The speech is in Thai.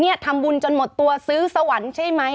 นี่ทำบุญจนหมดตัวซื้อสวรรค์ใช่ไหม